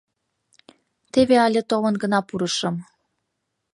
— Теве але толын гына пурышым.